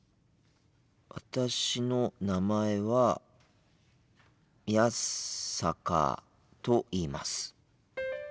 私の名前は宮坂と言います。